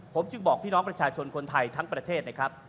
ผมจึงบอกพี่น้องประชาชนคนไทยทั้งประเทศนะครับ